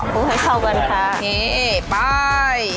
นี่ไป